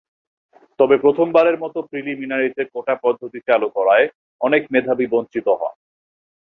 তবে প্রথমবারের মতো প্রিলিমিনারিতে কোটা-পদ্ধতি চালু করায় অনেক মেধাবী বঞ্চিত হন।